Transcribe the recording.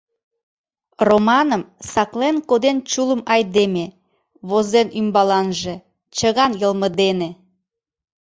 Романым саклен коден чулым айдеме, возен ӱмбаланже: «Чыган йылме дене».